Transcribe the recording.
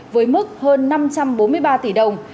với mức hơn năm trăm bốn mươi ba tỷ đồng